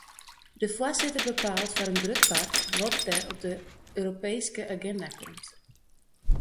De foarsitter bepaalt foar in grut part wat der op de Europeeske aginda komt.